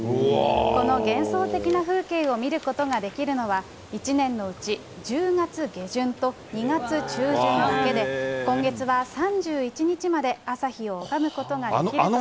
この幻想的な風景を見ることができるのは１年のうち１０月下旬と２月中旬だけで、今月は３１日まで朝日を拝むことができるということです。